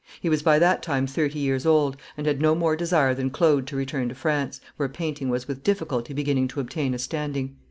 He was by that time thirty years old, and had no more desire than Claude to return to France, where painting was with difficulty beginning to obtain a standing.